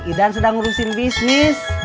idan sedang urusin bisnis